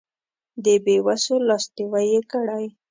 د بې وسو لاسنیوی یې کړی.